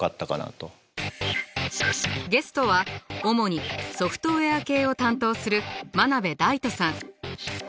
ゲストは主にソフトウェア系を担当する真鍋大度さん。